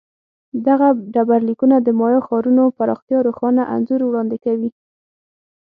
دغه ډبرلیکونه د مایا ښارونو پراختیا روښانه انځور وړاندې کوي